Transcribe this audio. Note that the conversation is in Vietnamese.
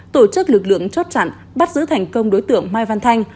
tổ chức lực lượng chốt chặn bắt giữ thành công đối tượng mai văn thanh